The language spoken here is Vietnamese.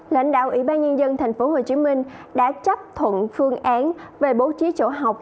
lãnh đạo ủy ban nhân dân tp hcm đã chấp thuận phương án về bố trí chỗ học